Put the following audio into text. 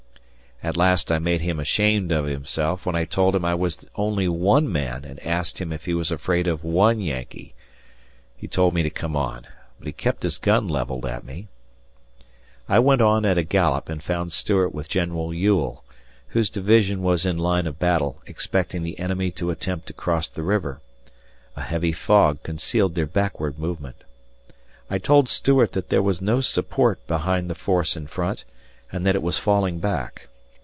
At last I made him ashamed of himself when I told him I was only one man and asked him if he was afraid of one Yankee. He told me to come on, but he kept his gun levelled at me. I went on at a gallop and found Stuart with General Ewell, whose division was in line of battle expecting the enemy to attempt to cross the river a heavy fog concealed their backward movement. I told Stuart that there was no support behind the force in front, and that it was falling back.